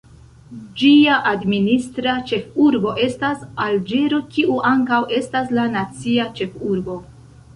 Ĝia administra ĉefurbo estas Alĝero, kiu ankaŭ estas la nacia ĉefurbo.